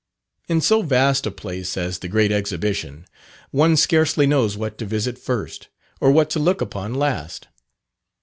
In so vast a place as the Great Exhibition one scarcely knows what to visit first, or what to look upon last.